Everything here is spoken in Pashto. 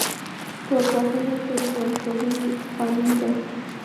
ستورپوهنه تر ژوندپوهنې پخوانۍ ده.